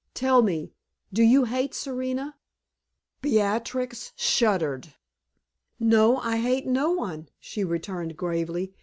Tell me, do you hate Serena?" Beatrix shuddered. "No; I hate no one," she returned gravely.